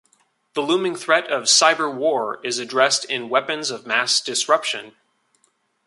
The looming threat of Cyber War is addressed in Weapons of Mass Disruption.